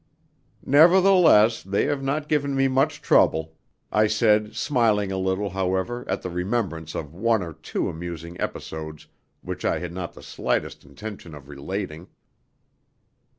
"Nevertheless, they have not given me much trouble," I said, smiling a little, however, at the remembrance of one or two amusing episodes which I had not the slightest intention of relating.